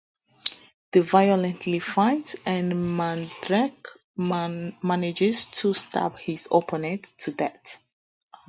They violently fight, and Mandrake manages to stab his opponent to death.